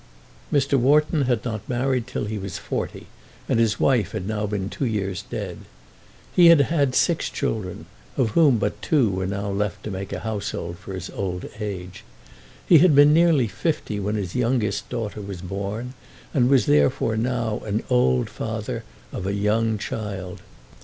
Mr. Wharton had not married till he was forty, and his wife had now been two years dead. He had had six children, of whom but two were now left to make a household for his old age. He had been nearly fifty when his youngest daughter was born, and was therefore now an old father of a young child.